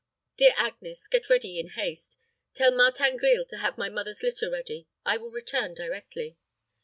Dear Agnes, get ready in haste. Tell Martin Grille to have my mother's litter ready; I will return directly."